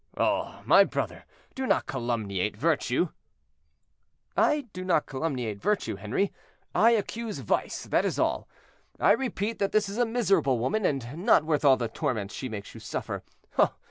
"Oh! my brother, do not calumniate virtue." "I do not calumniate virtue, Henri; I accuse vice, that is all. I repeat that this is a miserable woman, and not worth all the torments she makes you suffer.